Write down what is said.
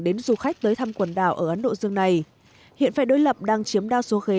đến du khách tới thăm quần đảo ở ấn độ dương này hiện phe đối lập đang chiếm đa số khế